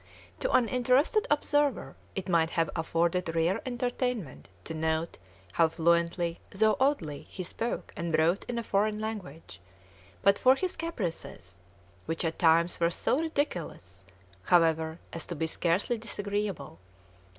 To an interested observer it might have afforded rare entertainment to note how fluently, though oddly, he spoke and wrote in a foreign language, but for his caprices, which at times were so ridiculous, however, as to be scarcely disagreeable.